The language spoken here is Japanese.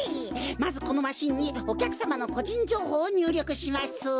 まずこのマシンにおきゃくさまのこじんじょうほうをにゅうりょくします。